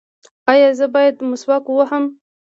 ایا زه باید مسواک ووهم؟